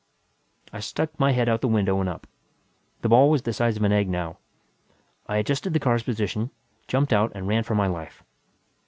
I stuck my head out the window and up. The ball was the size of an egg now. I adjusted the car's position, jumped out and ran for my life.